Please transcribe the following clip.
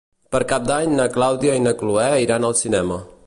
Per Cap d'Any na Clàudia i na Cloè iran al cinema.